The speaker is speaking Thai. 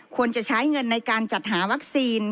ควรจะใช้เงินในการจัดหาวัคซีน